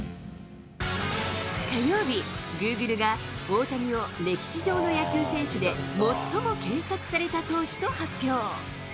火曜日、グーグルが大谷を歴史上の野球選手で、最も検索された投手と発表。